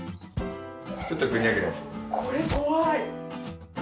これ怖い！